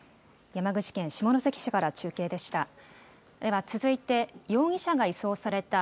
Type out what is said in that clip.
山口県下関市から中継でした。